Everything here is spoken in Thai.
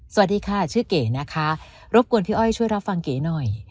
สวัสดีค่ะชื่อเก๋นะคะรบกวนพี่อ้อยช่วยรับฟังเก๋หน่อย